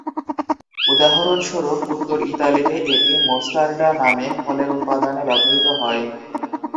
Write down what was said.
উদাহরণস্বরূপ, উত্তর ইতালিতে এটি "মোস্টারডা" নামে ফলের উপাদানে ব্যবহৃত হয়।